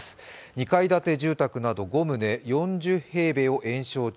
２階建て住宅など５棟４０平米を延焼中。